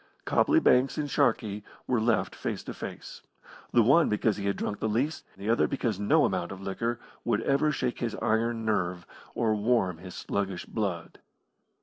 Copley Banks and Sharkey were left face to face, the one because he had drunk the least, the other because no amount of liquor would ever shake his iron nerve or warm his sluggish blood.